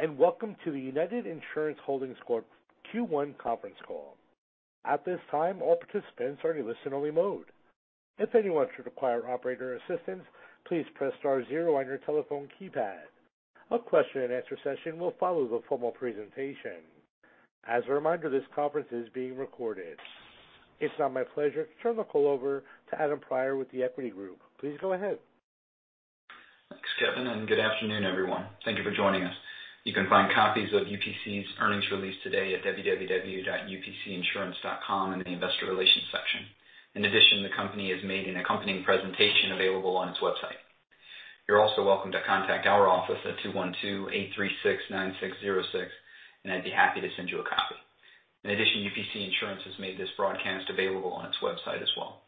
Hello, and welcome to the United Insurance Holdings Corp. Q1 conference call. At this time, all participants are in listen-only mode. If anyone should require operator assistance, please press star zero on your telephone keypad. A question-and-answer session will follow the formal presentation. As a reminder, this conference is being recorded. It's now my pleasure to turn the call over to Adam Prior with The Equity Group. Please go ahead. Thanks, Kevin, and good afternoon, everyone. Thank you for joining us. You can find copies of UPC's earnings release today at www.upcinsurance.com in the investor relations section. In addition, the company has made an accompanying presentation available on its website. You're also welcome to contact our office at 212-836-9606, and I'd be happy to send you a copy. In addition, UPC Insurance has made this broadcast available on its website as well.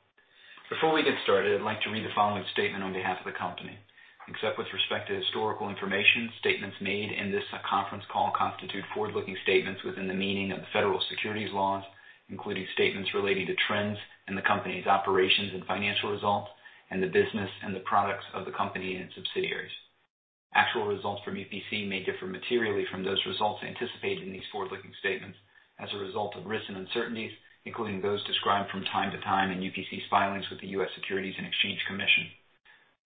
Before we get started, I'd like to read the following statement on behalf of the company. Except with respect to historical information, statements made in this conference call constitute forward-looking statements within the meaning of the federal securities laws, including statements relating to trends in the company's operations and financial results and the business and the products of the company and its subsidiaries. Actual results from UPC may differ materially from those results anticipated in these forward-looking statements as a result of risks and uncertainties, including those described from time to time in UPC's filings with the U.S. Securities and Exchange Commission.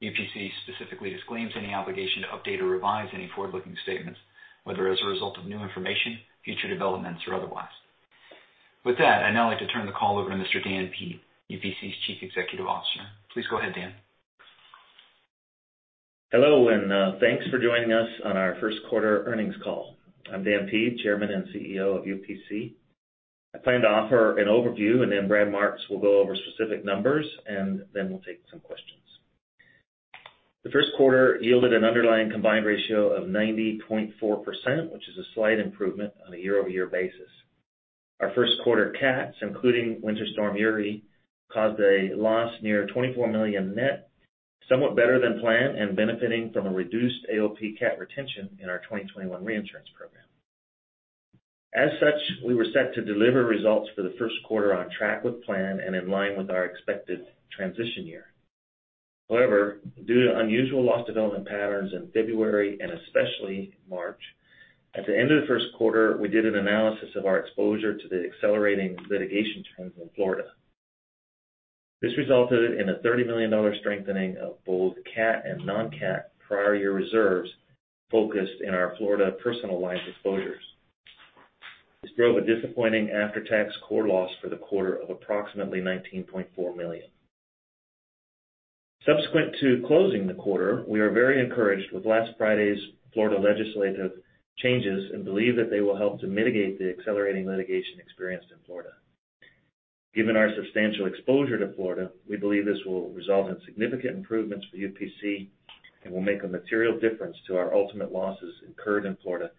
UPC specifically disclaims any obligation to update or revise any forward-looking statements, whether as a result of new information, future developments, or otherwise. With that, I'd now like to turn the call over to Mr. Dan Peed, UPC's Chief Executive Officer. Please go ahead, Dan. Hello, thanks for joining us on our first quarter earnings call. I'm Dan Peed, Chairman and CEO of UPC. I plan to offer an overview, and then Brad Martz will go over specific numbers, and then we'll take some questions. The first quarter yielded an underlying combined ratio of 90.4%, which is a slight improvement on a year-over-year basis. Our first quarter CATs, including Winter Storm Uri, caused a loss near $24 million net, somewhat better than planned and benefiting from a reduced AOP CAT retention in our 2021 reinsurance program. As such, we were set to deliver results for the first quarter on track with plan and in line with our expected transition year. However, due to unusual loss development patterns in February, and especially March, at the end of the first quarter, we did an analysis of our exposure to the accelerating litigation trends in Florida. This resulted in a $30 million strengthening of both CAT and non-CAT prior year reserves focused in our Florida personal lines exposures. This drove a disappointing after-tax core loss for the quarter of approximately $19.4 million. Subsequent to closing the quarter, we are very encouraged with last Friday's Florida legislative changes and believe that they will help to mitigate the accelerating litigation experienced in Florida. Given our substantial exposure to Florida, we believe this will result in significant improvements for UPC and will make a material difference to our ultimate losses incurred in Florida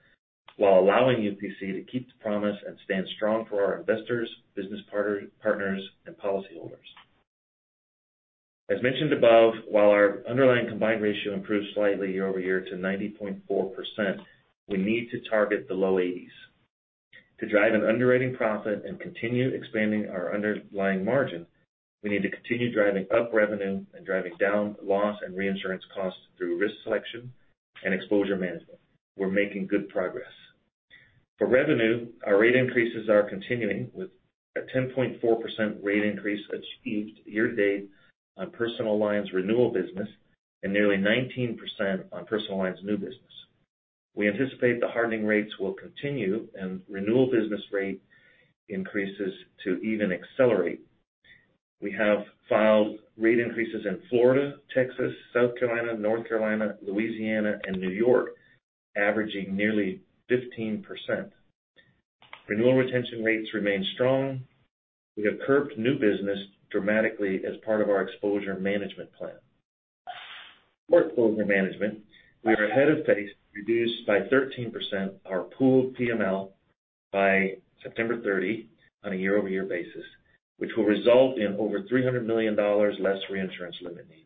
while allowing UPC to keep the promise and stand strong for our investors, business partners, and policyholders. As mentioned above, while our underlying combined ratio improved slightly year-over-year to 90.4%, we need to target the low 80s. To drive an underwriting profit and continue expanding our underlying margin, we need to continue driving up revenue and driving down loss and reinsurance costs through risk selection and exposure management. We're making good progress. For revenue, our rate increases are continuing with a 10.4% rate increase achieved year to date on personal lines renewal business and nearly 19% on personal lines new business. We anticipate the hardening rates will continue and renewal business rate increases to even accelerate. We have filed rate increases in Florida, Texas, South Carolina, North Carolina, Louisiana, and New York, averaging nearly 15%. Renewal retention rates remain strong. We have curbed new business dramatically as part of our exposure management plan. For exposure management, we are ahead of pace to reduce by 13% our pooled PML by September 30 on a year-over-year basis, which will result in over $300 million less reinsurance limit need.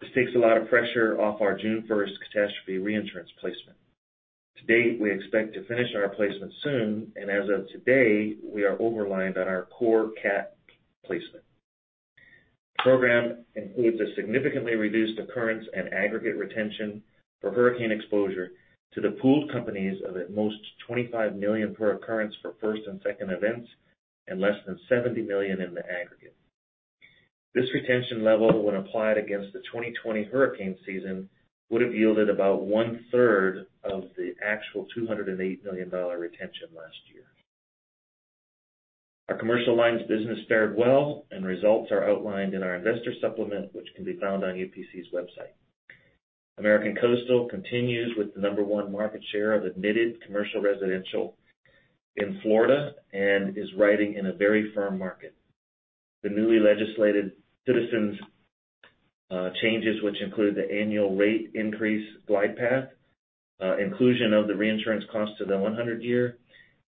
This takes a lot of pressure off our June 1st catastrophe reinsurance placement. To date, we expect to finish our placement soon, and as of today, we are overlined on our core CAT placement. The program includes a significantly reduced occurrence and aggregate retention for hurricane exposure to the pooled companies of at most $25 million per occurrence for first and second events and less than $70 million in the aggregate. This retention level, when applied against the 2020 hurricane season, would've yielded about 1/3 of the actual $208 million retention last year. Our commercial lines business fared well, and results are outlined in our investor supplement, which can be found on UPC's website. American Coastal continues with the number one market share of admitted commercial residential in Florida and is writing in a very firm market. The newly legislated Citizens changes, which include the annual rate increase glide path, inclusion of the reinsurance cost to the 100-year,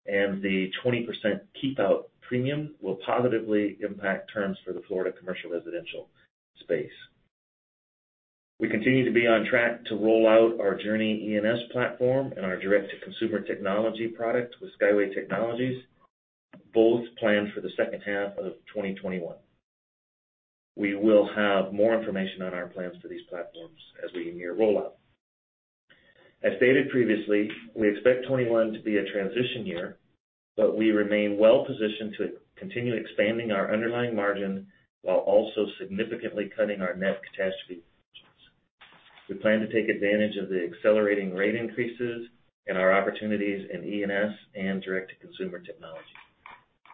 and the 20% keep out premium will positively impact terms for the Florida commercial residential space. We continue to be on track to roll out our Journey E&S platform and our direct-to-consumer technology product with Skyway Technologies, both planned for the second half of 2021. We will have more information on our plans for these platforms as we near rollout. As stated previously, we expect 2021 to be a transition year, but we remain well-positioned to continue expanding our underlying margin while also significantly cutting our net catastrophe ratios. We plan to take advantage of the accelerating rate increases and our opportunities in E&S and direct-to-consumer technology.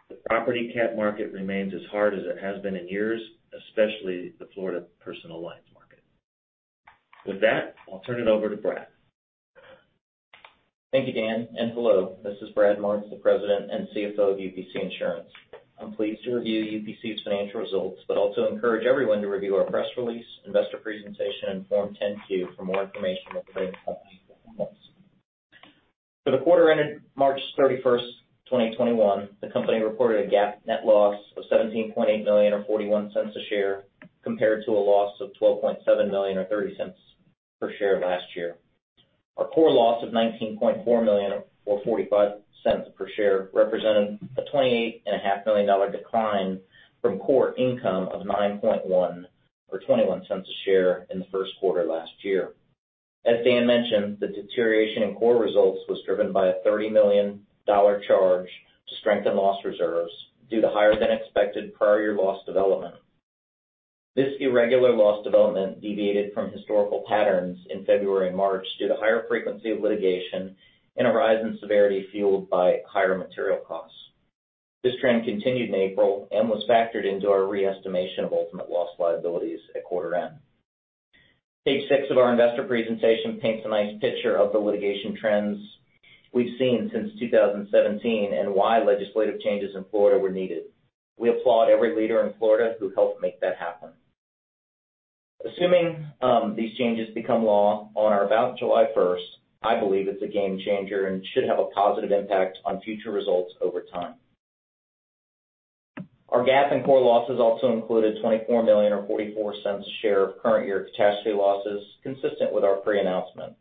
The property cat market remains as hard as it has been in years, especially the Florida personal lines market. With that, I'll turn it over to Brad. Thank you, Dan, and hello. This is Brad Martz, the President and CFO of UPC Insurance. I'm pleased to review UPC's financial results, but also encourage everyone to review our press release, investor presentation, and Form 10-Q for more information regarding the company's performance. For the quarter ended March 31st, 2021, the company reported a GAAP net loss of $17.8 million, or $0.41 a share, compared to a loss of $12.7 million, or $0.30 per share last year. Our core loss of $19.4 million, or $0.45 per share, represented a $28.5 million decline from core income of $9.1 million, or $0.21 a share in the first quarter last year. As Dan mentioned, the deterioration in core results was driven by a $30 million charge to strengthen loss reserves due to higher-than-expected prior year loss development. This irregular loss development deviated from historical patterns in February and March due to higher frequency of litigation and a rise in severity fueled by higher material costs. This trend continued in April and was factored into our re-estimation of ultimate loss liabilities at quarter end. Page six of our investor presentation paints a nice picture of the litigation trends we've seen since 2017 and why legislative changes in Florida were needed. We applaud every leader in Florida who helped make that happen. Assuming these changes become law on or about July 1st, I believe it's a game changer and should have a positive impact on future results over time. Our GAAP and core losses also included $24 million or $0.44 a share of current year catastrophe losses consistent with our pre-announcement.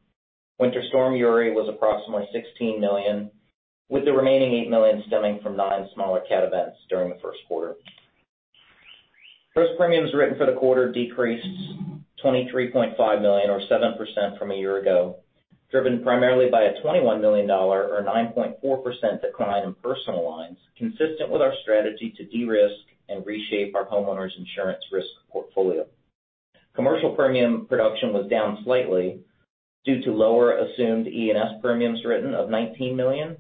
Winter Storm Uri was approximately $16 million, with the remaining $8 million stemming from nine smaller cat events during the first quarter. Gross premiums written for the quarter decreased $23.5 million, or 7% from a year ago, driven primarily by a $21 million or 9.4% decline in personal lines, consistent with our strategy to de-risk and reshape our homeowners' insurance risk portfolio. Commercial premium production was down slightly due to lower assumed E&S premiums written of $19 million,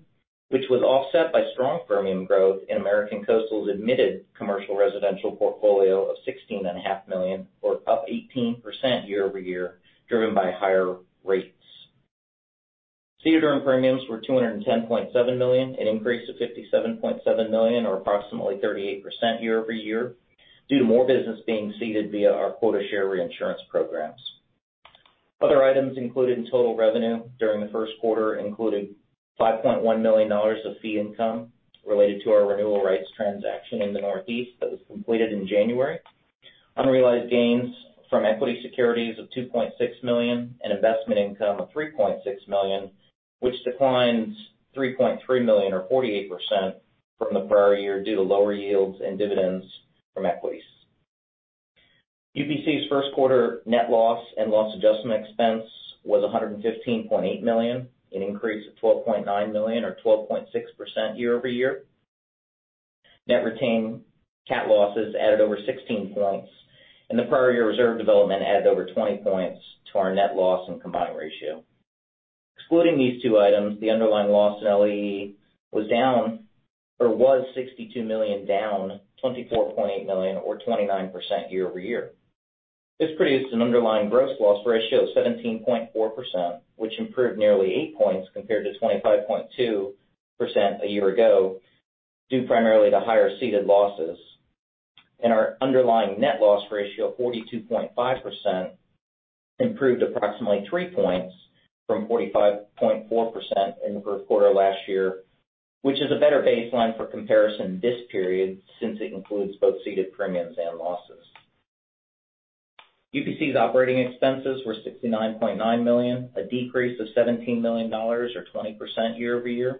which was offset by strong premium growth in American Coastal's admitted commercial residential portfolio of $16.5 million, or up 18% year-over-year, driven by higher rates. Ceded earned premiums were $210.7 million, an increase of $57.7 million, or approximately 38% year-over-year, due to more business being ceded via our quota share reinsurance programs. Other items included in total revenue during the first quarter included $5.1 million of fee income related to our renewal rights transaction in the Northeast that was completed in January, unrealized gains from equity securities of $2.6 million and investment income of $3.6 million, which declines $3.3 million or 48% from the prior year due to lower yields and dividends from equities. UPC's first quarter net loss and Loss Adjustment Expense was $115.8 million, an increase of $12.9 million, or 12.6% year-over-year. Net retained cat losses added over 16 points, the prior year reserve development added over 20 points to our net loss and combined ratio. Excluding these two items, the underlying loss and LAE was down, or was $62 million, down $24.8 million, or 29% year-over-year. This produced an underlying gross loss ratio of 17.4%, which improved nearly eight points compared to 25.2% a year ago, due primarily to higher ceded losses. Our underlying net loss ratio of 42.5% improved approximately three points from 45.4% in the first quarter last year, which is a better baseline for comparison this period since it includes both ceded premiums and losses. UPC's operating expenses were $69.9 million, a decrease of $17 million or 20% year-over-year.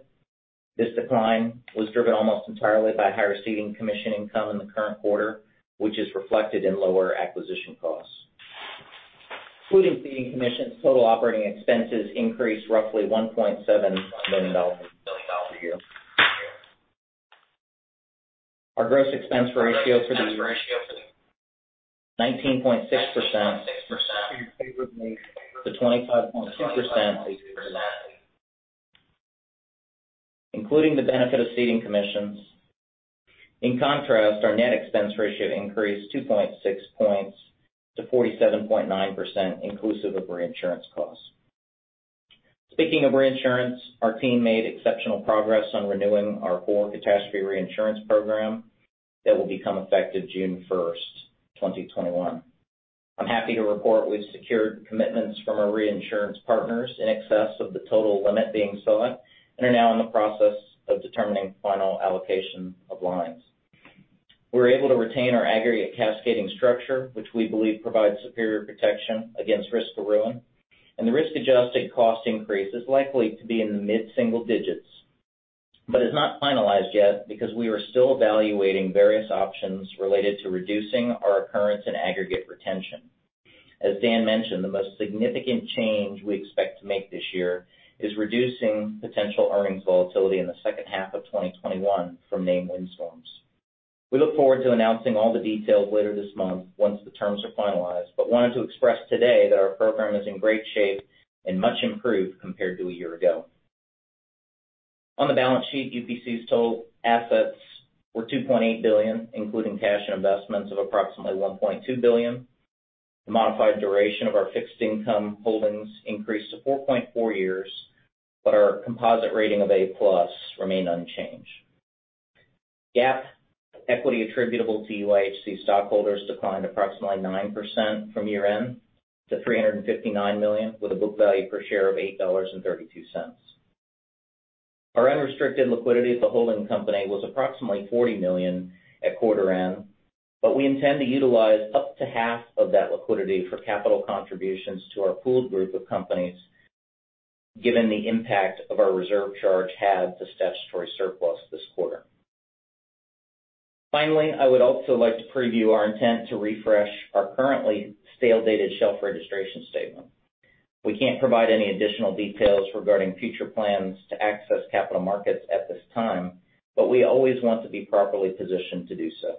This decline was driven almost entirely by higher ceding commission income in the current quarter, which is reflected in lower acquisition costs. Including ceding commissions, total operating expenses increased roughly $1.7 million year-over-year. Our gross expense ratio 19.6%-25.6%, including the benefit of ceding commissions. In contrast, our net expense ratio increased 2.6 points to 47.9%, inclusive of reinsurance costs. Speaking of reinsurance, our team made exceptional progress on renewing our core catastrophe reinsurance program that will become effective June 1st, 2021. I'm happy to report we've secured commitments from our reinsurance partners in excess of the total limit being sought and are now in the process of determining final allocation of lines. We're able to retain our aggregate cascading structure, which we believe provides superior protection against risk of ruin, and the risk-adjusted cost increase is likely to be in the mid-single digits. It's not finalized yet because we are still evaluating various options related to reducing our occurrence and aggregate retention. As Dan mentioned, the most significant change we expect to make this year is reducing potential earnings volatility in the second half of 2021 from named windstorms. We look forward to announcing all the details later this month once the terms are finalized. Wanted to express today that our program is in great shape and much improved compared to a year ago. On the balance sheet, UPC's total assets were $2.8 billion, including cash and investments of approximately $1.2 billion. The modified duration of our fixed income holdings increased to 4.4 years, our composite rating of A+ remained unchanged. GAAP equity attributable to UIHC stockholders declined approximately 9% from year-end to $359 million, with a book value per share of $8.32. Our unrestricted liquidity as a holding company was approximately $40 million at quarter end, we intend to utilize up to half of that liquidity for capital contributions to our pooled group of companies given the impact of our reserve charge had to statutory surplus this quarter. Finally, I would also like to preview our intent to refresh our currently stale dated shelf registration statement. We can't provide any additional details regarding future plans to access capital markets at this time, but we always want to be properly positioned to do so.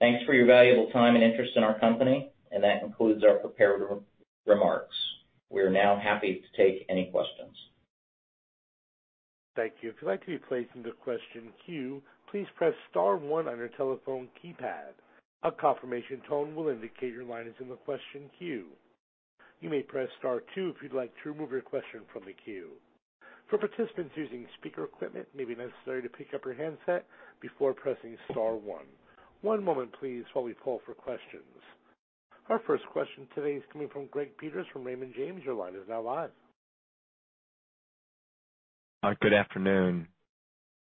Thanks for your valuable time and interest in our company, and that concludes our prepared remarks. We are now happy to take any questions. Thank you. If you'd like to be placed into question queue, please press star one on your telephone keypad. A confirmation tone will indicate your line is in the question queue. You may press star two if you'd like to remove your question from the queue. For participants using speaker equipment, it may be necessary to pick up your handset before pressing star one. One moment, please, while we poll for questions. Our first question today is coming from Greg Peters from Raymond James. Your line is now live. Good afternoon.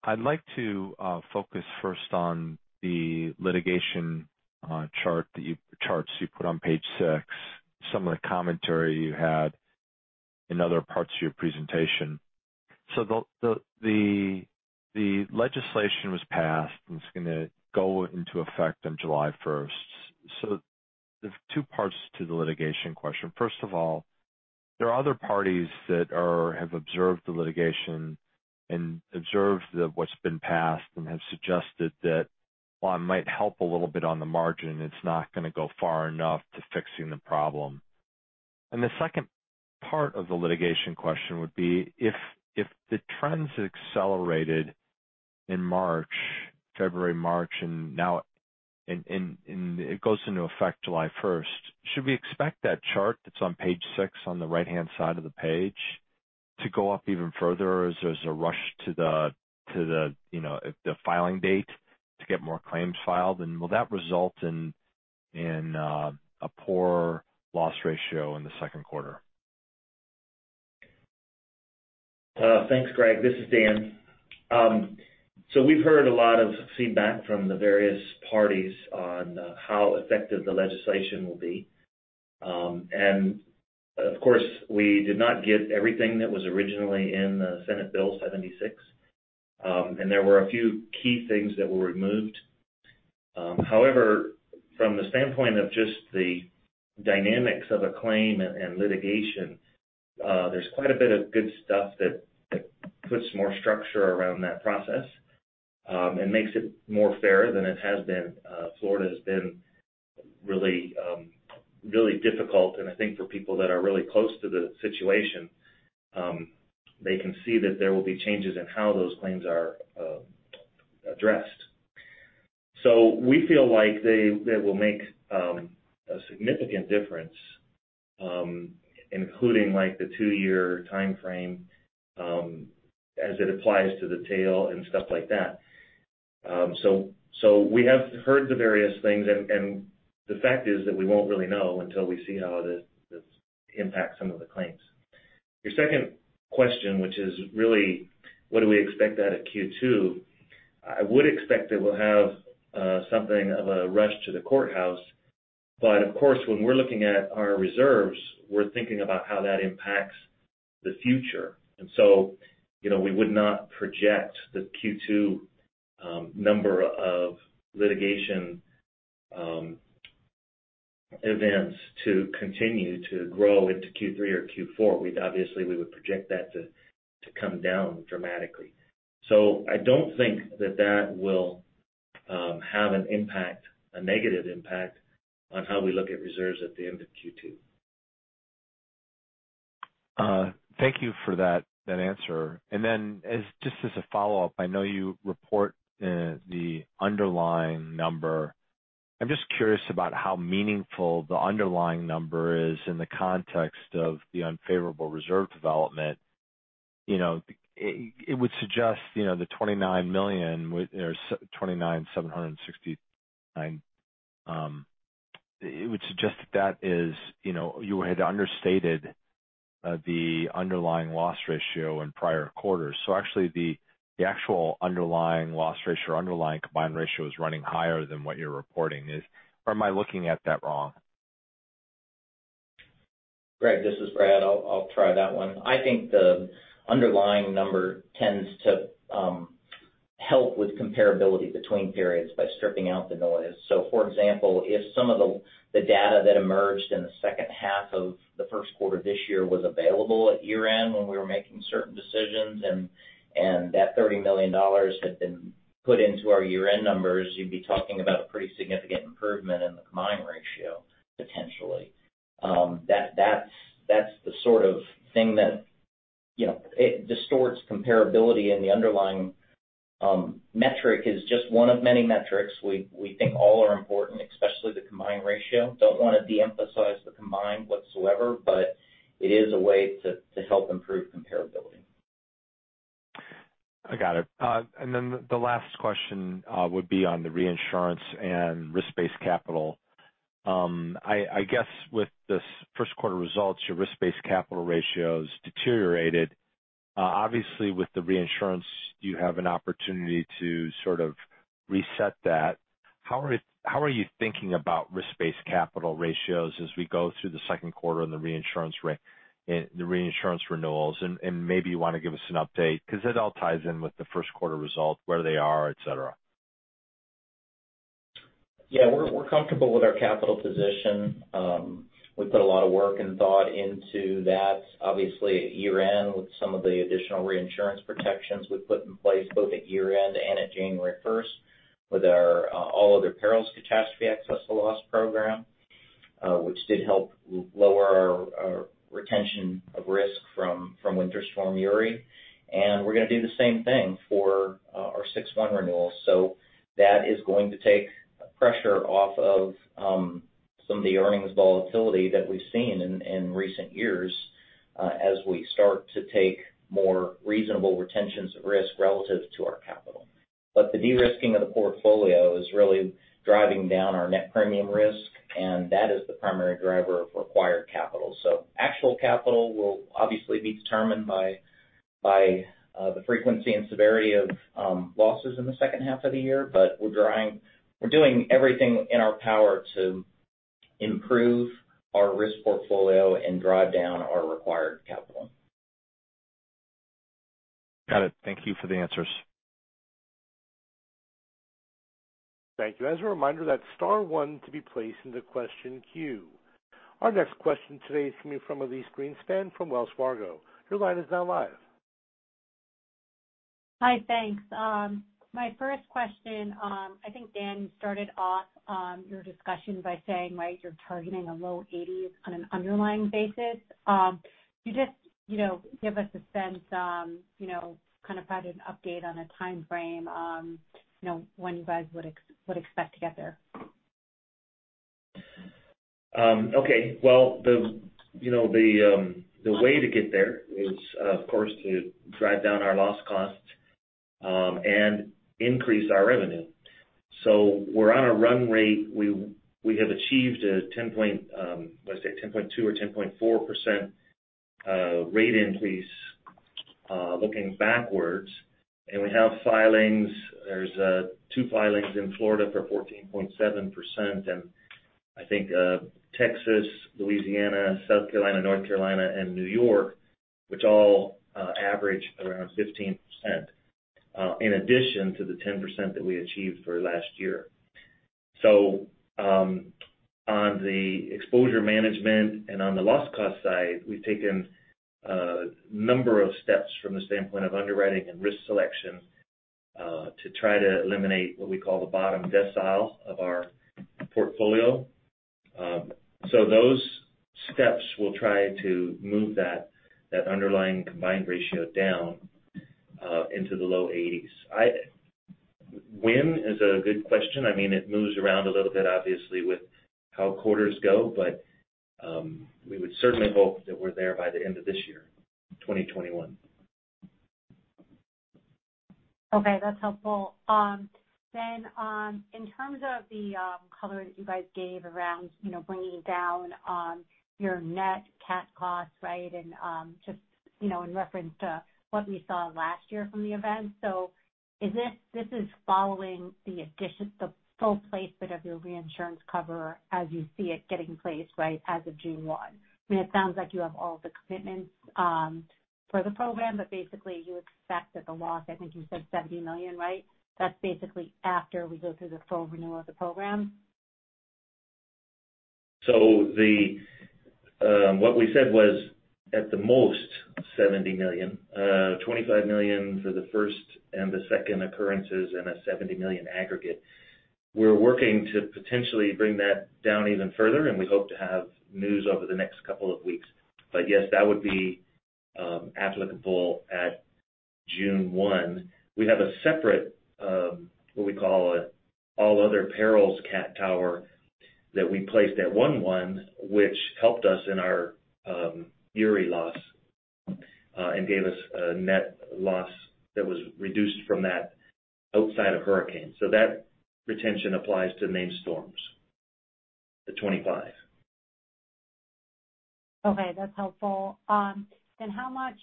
I'd like to focus first on the litigation charts you put on page six, some of the commentary you had in other parts of your presentation. The legislation was passed, and it's going to go into effect on July 1st. There's two parts to the litigation question. First of all, there are other parties that have observed the litigation and observed what's been passed and have suggested that while it might help a little bit on the margin, it's not going to go far enough to fixing the problem. The second part of the litigation question would be if the trends accelerated in February, March, and it goes into effect July 1st, should we expect that chart that's on page six on the right-hand side of the page to go up even further as there's a rush to the filing date to get more claims filed? Will that result in a poor loss ratio in the second quarter? Thanks, Greg. This is Dan. We've heard a lot of feedback from the various parties on how effective the legislation will be. Of course, we did not get everything that was originally in the Senate Bill 76. There were a few key things that were removed. However, from the standpoint of just the dynamics of a claim and litigation, there's quite a bit of good stuff that puts more structure around that process and makes it more fair than it has been. Florida has been really difficult, and I think for people that are really close to the situation, they can see that there will be changes in how those claims are addressed. We feel like they will make a significant difference including the two-year timeframe as it applies to the tail and stuff like that. We have heard the various things, and the fact is that we won't really know until we see how this impacts some of the claims. Your second question, which is really what do we expect out of Q2, I would expect that we'll have something of a rush to the courthouse. Of course, when we're looking at our reserves, we're thinking about how that impacts the future. We would not project the Q2 number of litigation events to continue to grow into Q3 or Q4. Obviously, we would project that to come down dramatically. I don't think that that will have a negative impact on how we look at reserves at the end of Q2. Thank you for that answer. Just as a follow-up, I know you report the underlying number. I'm just curious about how meaningful the underlying number is in the context of the unfavorable reserve development. It would suggest the $29 million, or $29,769, you had understated the underlying loss ratio in prior quarters. Actually, the actual underlying loss ratio or underlying combined ratio is running higher than what you're reporting. Am I looking at that wrong? Greg, this is Brad. I'll try that one. I think the underlying number tends to help with comparability between periods by stripping out the noise. For example, if some of the data that emerged in the second half of the first quarter this year was available at year-end when we were making certain decisions, and that $30 million had been put into our year-end numbers, you'd be talking about a pretty significant improvement in the combined ratio, potentially. That's the sort of thing that distorts comparability, and the underlying metric is just one of many metrics. We think all are important, especially the combined ratio. Don't want to de-emphasize the combined whatsoever, but it is a way to help improve comparability. I got it. The last question would be on the reinsurance and risk-based capital. I guess with this first quarter results, your risk-based capital ratios deteriorated. Obviously, with the reinsurance, you have an opportunity to sort of reset that. How are you thinking about risk-based capital ratios as we go through the second quarter and the reinsurance renewals? Maybe you want to give us an update, because it all ties in with the first quarter result, where they are, et cetera. Yeah, we're comfortable with our capital position. We put a lot of work and thought into that. Obviously, at year-end, with some of the additional reinsurance protections we put in place, both at year-end and at January 1st with our all other perils catastrophe excess to loss program, which did help lower our retention of risk from Winter Storm Uri. We're going to do the same thing for our six one renewal. That is going to take pressure off of some of the earnings volatility that we've seen in recent years as we start to take more reasonable retentions of risk relative to our capital. The de-risking of the portfolio is really driving down our net premium risk, and that is the primary driver of required capital. Actual capital will obviously be determined by the frequency and severity of losses in the second half of the year. We're doing everything in our power to improve our risk portfolio and drive down our required capital. Got it. Thank you for the answers. Thank you. As a reminder, that's star one to be placed into question queue. Our next question today is coming from Elyse Greenspan from Wells Fargo. Your line is now live. Hi, thanks. My first question, I think, Dan, you started off your discussion by saying, right, you're targeting a low 80s on an underlying basis. Can you just give us a sense, kind of an update on a timeframe on when you guys would expect to get there? The way to get there is, of course, to drive down our loss costs and increase our revenue. We're on a run rate. We have achieved, let's say 10.2% or 10.4% rate increase looking backwards. We have filings. There's two filings in Florida for 14.7%, and I think Texas, Louisiana, South Carolina, North Carolina, and New York, which all average around 15%, in addition to the 10% that we achieved for last year. On the exposure management and on the loss cost side, we've taken a number of steps from the standpoint of underwriting and risk selection to try to eliminate what we call the bottom decile of our portfolio. Those steps will try to move that underlying combined ratio down into the low 80s. When is a good question. It moves around a little bit, obviously, with how quarters go. We would certainly hope that we're there by the end of this year, 2021. Okay, that's helpful. In terms of the color that you guys gave around bringing down your net cat costs, right? Just in reference to what we saw last year from the event. This is following the full placement of your reinsurance cover as you see it getting placed, right, as of June one. It sounds like you have all the commitments for the program, basically you expect that the loss, I think you said $70 million, right? That's basically after we go through the full renewal of the program? What we said was at the most $70 million. $25 million for the first and the second occurrences and a $70 million aggregate. We're working to potentially bring that down even further, and we hope to have news over the next couple of weeks. Yes, that would be applicable at June one. We have a separate, what we call all other perils cat tower that we placed at one one, which helped us in our Winter Storm Uri loss and gave us a net loss that was reduced from that outside of hurricane. That retention applies to named storms, the $25 million. Okay, that's helpful. How much,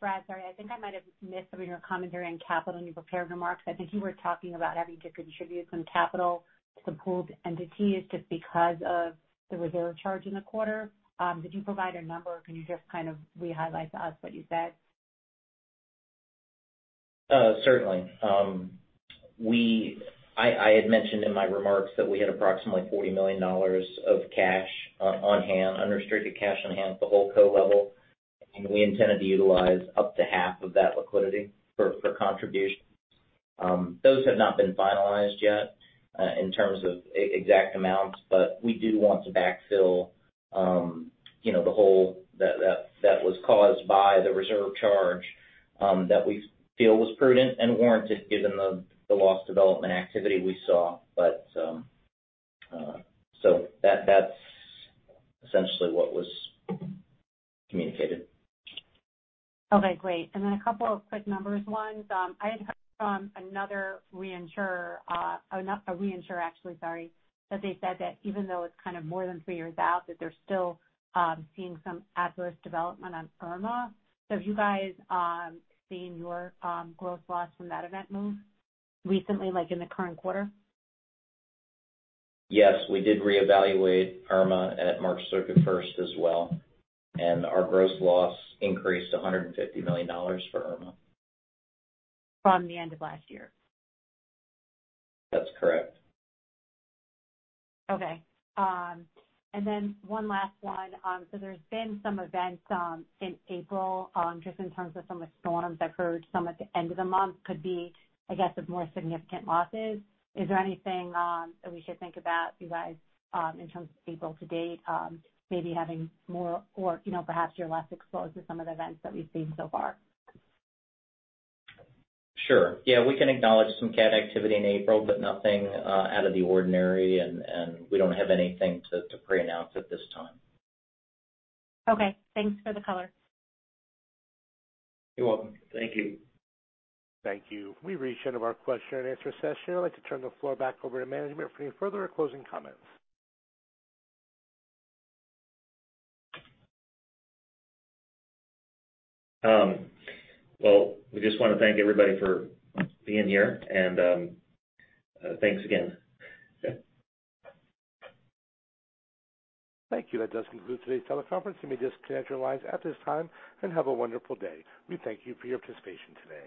Brad, sorry, I think I might have missed some of your commentary on capital in your prepared remarks. I think you were talking about having to contribute some capital to pooled entities just because of the reserve charge in the quarter. Did you provide a number? Can you just kind of re-highlight to us what you said? Certainly. I had mentioned in my remarks that we had approximately $40 million of unrestricted cash on hand at the holdco level, and we intended to utilize up to half of that liquidity for contributions. Those have not been finalized yet in terms of exact amounts, but we do want to backfill the hole that was caused by the reserve charge that we feel was prudent and warranted given the loss development activity we saw. That's essentially what was communicated. Okay, great. A couple of quick numbers. One, I had heard from a reinsurer actually, that they said that even though it's more than three years out, that they're still seeing some adverse development on Irma. Have you guys seen your growth loss from that event move recently, like in the current quarter? Yes. We did reevaluate Irma at March 31st as well. Our gross loss increased to $150 million for Irma. From the end of last year?vThat's correct. Okay. One last one. There's been some events in April, just in terms of some of the storms. I've heard some at the end of the month could be, I guess, of more significant losses. Is there anything that we should think about you guys in terms of April to date maybe having more or perhaps you're less exposed to some of the events that we've seen so far? Sure. Yeah, we can acknowledge some cat activity in April, but nothing out of the ordinary, and we don't have anything to pre-announce at this time. Okay. Thanks for the color. You're welcome. Thank you. Thank you. We've reached the end of our question-and-answer session. I'd like to turn the floor back over to management for any further or closing comments. Well, we just want to thank everybody for being here, and thanks again. Thank you. That does conclude today's teleconference. You may disconnect your lines at this time, and have a wonderful day. We thank you for your participation today.